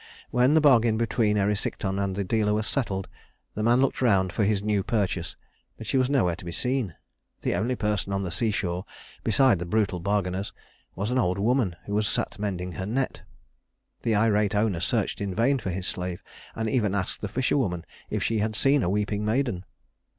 When the bargain between Erysichthon and the dealer was settled, the man looked around for his new purchase, but she was nowhere to be seen. The only person on the seashore, beside the brutal bargainers, was an old woman who sat mending her net. The irate owner searched in vain for his slave and even asked the fisherwoman if she had seen a weeping maiden.